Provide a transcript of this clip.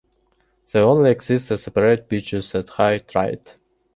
They only exist as separate beaches at high tide.